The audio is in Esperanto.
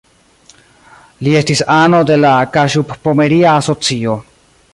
Li estis ano de la Kaŝub-Pomeria Asocio.